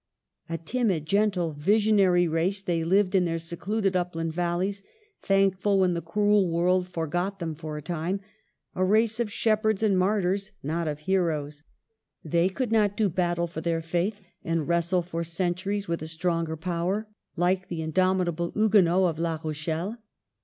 " 1 A timid, gentle, visionary race, they lived in their secluded upland valleys, thankful when the cruel world forgot them for a time, — a race of shepherds and martyrs, not of heroes. 1 Muston. See Michet, " Reforme," Appendix. DOWNFALL. 265 They could not do battle for their faith and wrestle for centuries with a stronger power, like the indomitable Huguenots of La Rochelle.